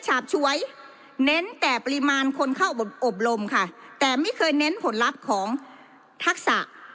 ฉาบฉวยเน้นแต่ปริมาณคนเข้าอบรมค่ะแต่ไม่เคยเน้นผลลัพธ์ของทักษะ